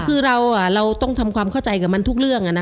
คือเราต้องทำความเข้าใจกับมันทุกเรื่อง